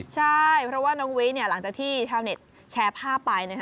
ใช่เพราะว่าน้องวิหลังจากที่ชาวเน็ตแชร์ภาพไป